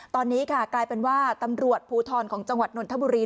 ตอนนี้ค่ะกลายเป็นว่าตำรวจภูทรของจังหวัดนนทบุรี